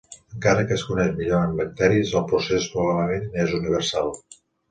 Encara que es coneix millor en bacteris, el procés probablement és universal.